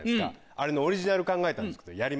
あれのオリジナル考えたんですけどやります？